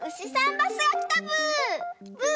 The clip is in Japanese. バスがきたブー！